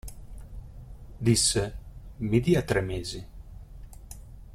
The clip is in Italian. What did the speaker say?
Disse: "Mi dia tre mesi.".